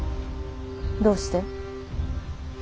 どうして。